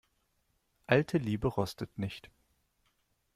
Alte Liebe rostet nicht.